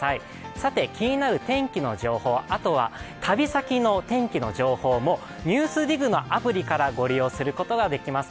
さて、気になる天気の情報、旅先の天気の情報も「ＮＥＷＳＤＩＧ」のアプリからご利用することができます。